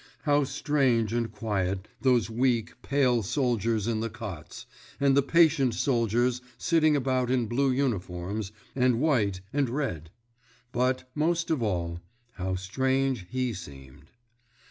How strange and quiet those weak, pale soldiers in the cots, and the patient soldiers sitting about in blue uniforms, and white, and red! But, most of all, how strange he seemed!